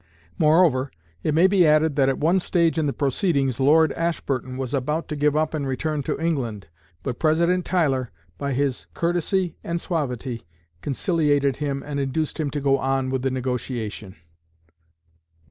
Moreover, it may be added that at one stage in the proceedings Lord Ashburton was about to give up and return to England; but President Tyler by his courtesy and suavity, conciliated him and induced him to go on with the negotiation.